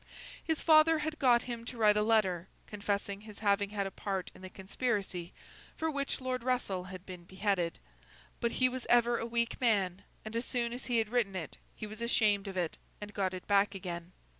His father had got him to write a letter, confessing his having had a part in the conspiracy, for which Lord Russell had been beheaded; but he was ever a weak man, and as soon as he had written it, he was ashamed of it and got it back again.